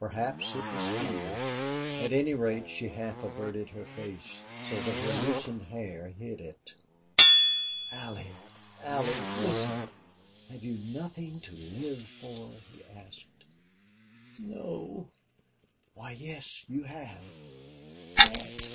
Perhaps it was fear. At any rate, she half averted her face, so that her loosened hair hid it. "Allie! Allie! Listen! Have you nothing to LIVE for?" he asked. "No." "Why, yes, you have." "What?"